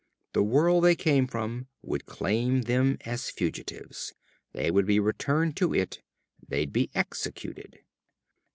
The world they came from would claim them as fugitives. They would be returned to it. They'd be executed.